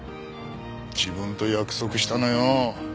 自分と約束したのよ。